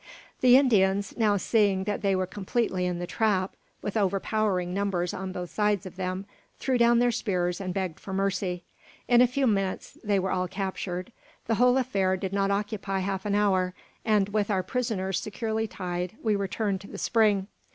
The Indians, now seeing that they were completely in the trap, with overpowering numbers on both sides of them, threw down their spears and begged for mercy. In a few minutes they were all captured. The whole affair did not occupy half an hour; and, with our prisoners securely tied, we returned to the spring.